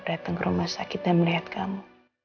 datang ke rumah sakit dan melihat kamu